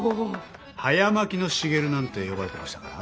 「早撒きの重流」なんて呼ばれてましたから。